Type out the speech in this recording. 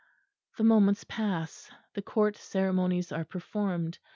The moments pass; the court ceremonies are performed.